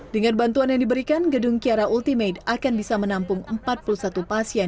dengan bantuan yang diberikan gedung kiara ultimate akan bisa menampung empat puluh satu pasien